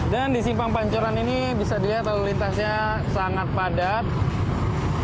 dan di simpang pancoran ini bisa dilihat lalu lintasnya sangat padat